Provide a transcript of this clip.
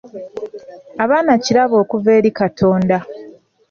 Abaana kirabo okuva eri Katonda.